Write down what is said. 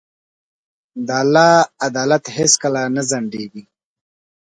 د الله عدالت هیڅکله نه ځنډېږي.